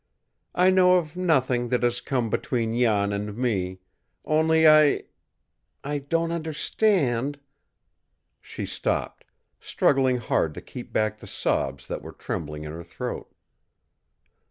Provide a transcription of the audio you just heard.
I know of nothing that has come between Jan and me, only I I don't understand " She stopped, struggling hard to keep back the sobs that were trembling in her throat.